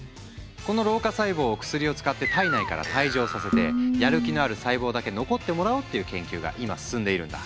この老化細胞を薬を使って体内から退場させてやる気のある細胞だけ残ってもらおうっていう研究が今進んでいるんだ。